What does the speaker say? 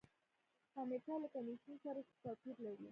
کمیټه له کمیسیون سره څه توپیر لري؟